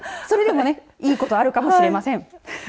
それでもいいことがあるかもしれません。